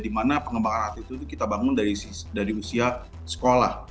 di mana pengembangan atlet itu kita bangun dari usia sekolah